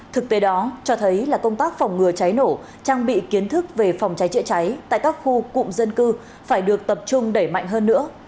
thực tế đó cho thấy là công tác phòng ngừa cháy nổ trang bị kiến thức về phòng cháy chữa cháy tại các khu cụm dân cư phải được tập trung đẩy mạnh hơn nữa